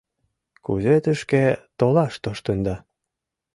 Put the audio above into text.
— Кузе тышке толаш тоштында?!